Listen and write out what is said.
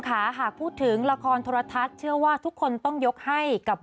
ค่ะหากพูดถึงละครโทรทัศน์เชื่อว่าทุกคนต้องยกให้กับ